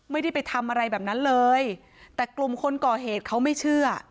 ไม่ได้ไปทำอะไรแบบนั้นเลยแต่กลุ่มคนก่อเหตุเขาไม่เชื่อ